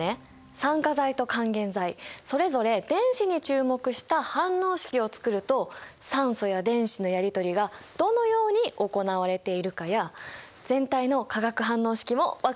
酸化剤と還元剤それぞれ電子に注目した反応式を作ると酸素や電子のやりとりがどのように行われているかや全体の化学反応式も分かりやすくなるんだよ。